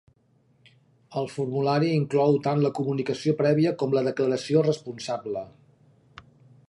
El formulari inclou tant la comunicació prèvia com la declaració responsable.